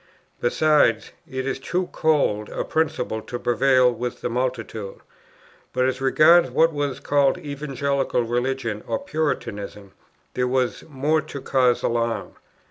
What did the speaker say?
Besides, it is too cold a principle to prevail with the multitude." But as regarded what was called Evangelical Religion or Puritanism, there was more to cause alarm.